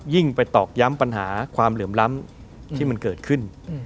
ยิ่งไปตอกย้ำปัญหาความเหลื่อมล้ำที่มันเกิดขึ้น